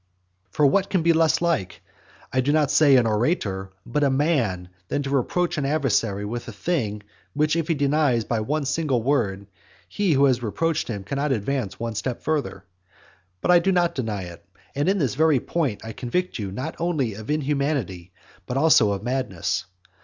For what can be less like, I do not say an orator, but a man, than to reproach an adversary with a thing which if he denies by one single word, he who has reproached him cannot advance one step further? But I do not deny it; and in this very point I convict you not only of inhumanity but also of madness.